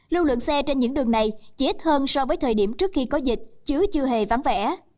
lưu lượng xe trên những đường này chỉ ít hơn so với thời điểm trước khi có dịch chứ chưa hề vắng vẻ